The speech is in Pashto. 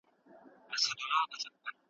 ساکنه ټولنپوهنه ټولنې ته د جسد په سترګه ګوري.